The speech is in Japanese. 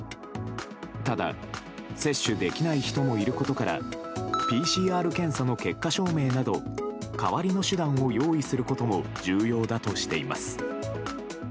ただ、接種できない人もいることからＰＣＲ検査の結果証明など代わりの手段を用意することも重要だとしています。